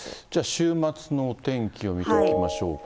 週末のお天気を見ておきましょうか。